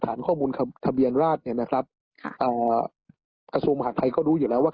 ทานข้อมูลทะเบียนราชอสมหาคไทยก็รู้อยู่แล้วว่า